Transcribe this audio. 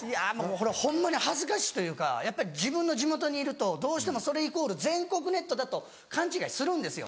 これホンマに恥ずかしいというかやっぱり自分の地元にいるとどうしてもそれイコール全国ネットだと勘違いするんですよ。